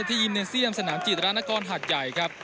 ที่ยิมเนเซียมสนามจีดราชนากรหัดใหญ่ครับ